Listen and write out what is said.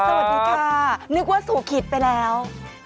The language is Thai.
สวัสดีค่ะนึกว่าสู่ขิตไปแล้ว